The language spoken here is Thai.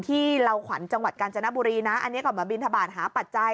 เหล่าขวัญจังหวัดกาญจนบุรีนะอันนี้ก็มาบินทบาทหาปัจจัย